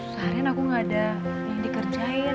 seharian aku gak ada yang dikerjain